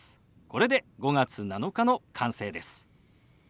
これで「５月７日」の完成です。